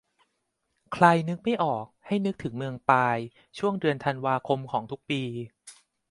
"ใครนึกไม่ออก ให้นึกถึงเมือง 'ปาย' ช่วงเดือนธันวาคมของทุกปี"